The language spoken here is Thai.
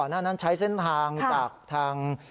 หน้านั้นใช้เส้นทางจากทาง